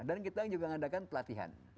dan kita juga mengadakan pelatihan